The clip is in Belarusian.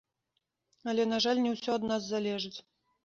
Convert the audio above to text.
Але, на жаль, не ўсё ад нас залежыць.